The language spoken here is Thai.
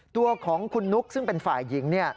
ตัวของคุณนุ๊กซึ่งเป็นฝ่ายหญิง